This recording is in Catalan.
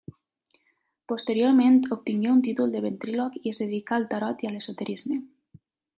Posteriorment obtingué un títol de ventríloc i es dedicà al tarot i a l'esoterisme.